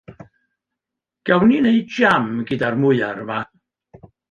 Gawn ni wneud jam gyda'r mwyar yma?